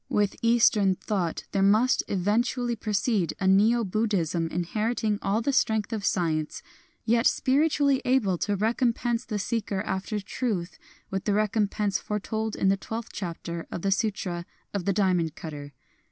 210 BUDDHIST ALLUSIONS IN FOLK SONG with Eastern thought there must eventually proceed a Neo Buddhism inheriting all the strength of Science, yet spiritually able to recompense the seeker after truth with the recompense foretold in the twelfth chapter of the Sutra of the Diamond Cutter.